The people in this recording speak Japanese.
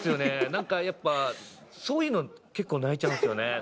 何かやっぱそういうの結構泣いちゃうんですよね